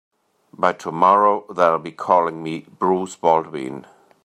By tomorrow they'll be calling me Bruce Baldwin.